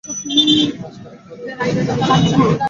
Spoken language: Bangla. মাস খানেক ধরে তিনি জেলেদের দিয়ে রাতের বেলায় মাছ শিকার করছেন।